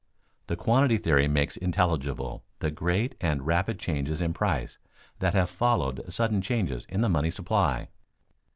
_The quantity theory makes intelligible the great and rapid changes in price that have followed sudden changes in the money supply.